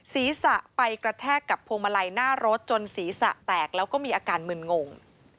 ศีรษะไปกระแทกกับพวงมาลัยหน้ารถจนศีรษะแตกแล้วก็มีอาการมึนงง